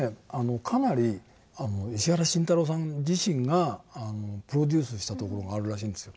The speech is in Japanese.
かなり石原慎太郎さん自身がプロデュースしたところがあるらしいんですよ。